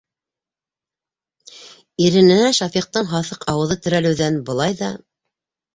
Ирененә Шафиҡтың һаҫыҡ ауыҙы терәлеүҙән былай ҙа